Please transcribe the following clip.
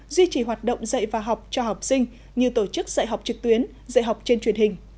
duy trì hoạt động dạy và học cho học sinh như tổ chức dạy học trực tuyến dạy học trên truyền hình